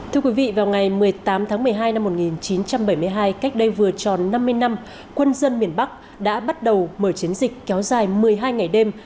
thưa quý vị vào ngày một mươi tám tháng một mươi hai năm một nghìn chín trăm bảy mươi hai cách đây vừa tròn năm mươi năm quân dân miền bắc đã bắt đầu mở chiến dịch kéo dài một mươi hai ngày đêm